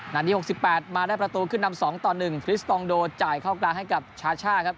หน้าทีหกสิบแปดมาได้ประตูขึ้นดำสองต่อหนึ่งฟริสตองโดจ่ายเข้ากลางให้กับชาช่าครับ